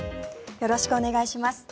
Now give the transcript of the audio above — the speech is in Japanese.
よろしくお願いします。